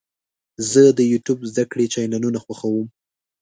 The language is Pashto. زه د یوټیوب زده کړې چینلونه خوښوم.